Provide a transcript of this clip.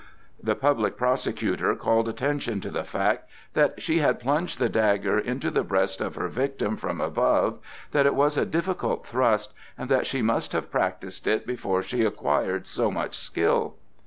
The public prosecutor called attention to the fact that she had plunged the dagger into the breast of her victim from above, that it was a difficult thrust, and that she must have practised it before she acquired so much skill.